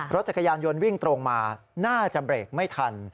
รถจักรยานยนต์วิ่งตรงมาน่าจะเบรกไม่ทัน